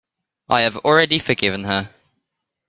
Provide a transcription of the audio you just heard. I have already forgiven her.